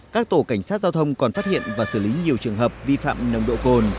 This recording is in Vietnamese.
các tổ cảnh sát giao thông còn phát hiện và xử lý nhiều trường hợp vi phạm nồng độ cồn